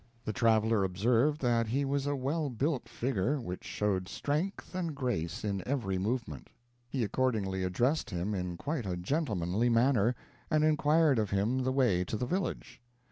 The traveler observed that he was a well built figure which showed strength and grace in every movement. He accordingly addressed him in quite a gentlemanly manner, and inquired of him the way to the village.